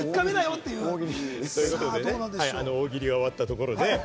大喜利が終わったところで。